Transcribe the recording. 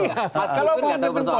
mas ibu pun gak tahu persoalan di